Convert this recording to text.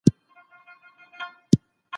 د منفي فکر کولو پر ځای مثبت فکر وکړئ.